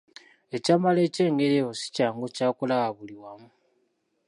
Ekyambalo eky'engeri eyo si kyangu kyakulaba buli wamu.